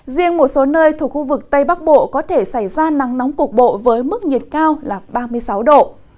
riêng một số nơi thuộc khu vực tây bắc bộ có thể xảy ra nắng nóng cục bộ với mức nhiệt cao là ba mươi sáu độ